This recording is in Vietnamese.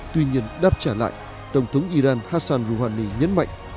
tuy nhiên đáp trả lại tổng thống iran hassan rouhani nhấn mạnh